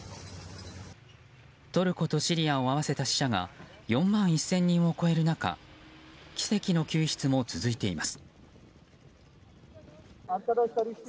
トルコとシリアを合わせた死者が４万１０００人を超える中奇跡の救出も続いています。